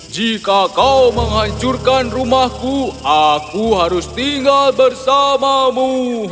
jika kau menghancurkan rumahku aku harus tinggal bersamamu